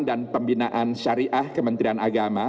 dan pembinaan syariah kementerian agama